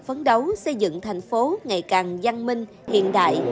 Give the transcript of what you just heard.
phấn đấu xây dựng thành phố ngày càng văn minh hiện đại